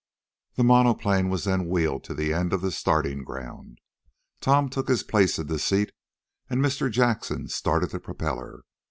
The monoplane was then wheeled to the end of the starting ground. Tom took his place in the seat, and Mr. Jackson started the propeller.